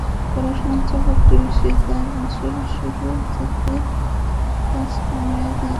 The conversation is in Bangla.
পড়াশোনার চাপ একটু বেশি, তাই বছরের শুরু থেকে কাজ কমিয়ে দিয়েছেন।